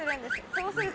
そうすると。